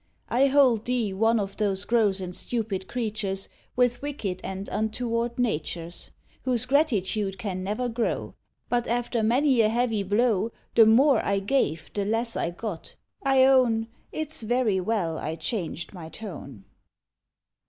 I hold thee One of those gross and stupid creatures With wicked and untoward natures Whose gratitude can never grow; But after many a heavy blow, The more I gave the less I got; I own It's very well I changed my tone."